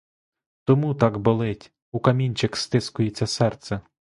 Тому так болить, у камінчик стискується серце.